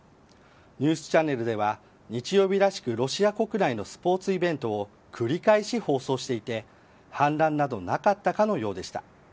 ニュースチャンネルでは日曜日らしくロシア国内のスポーツイベントを繰り返し放送していて反乱などなかったかのようでした。